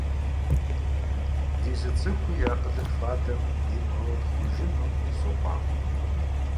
Ди зы цӀыхуи и акъылыр фадэм имыгъэутхъужыну сохъуахъуэ!